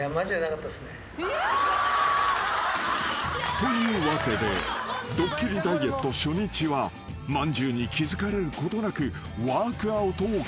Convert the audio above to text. ［というわけでドッキリダイエット初日はまんじゅうに気付かれることなくワークアウトを完了］